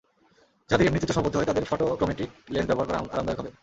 যাঁদের এমনিতেই চশমা পরতে হয়, তাঁদের ফটোক্রোমেটিক লেন্স ব্যবহার করা আরামদায়ক হবে।